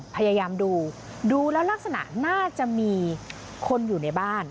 พยายามดูดูแล้วลักษณะน่าจะมีคนอยู่ในบ้าน